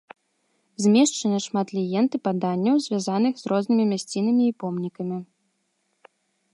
Змешчана шмат легенд і паданняў, звязаных з рознымі мясцінамі і помнікамі.